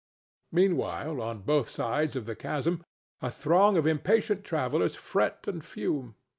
Meanwhile, on both sides of the chasm a throng of impatient travellers fret and fume.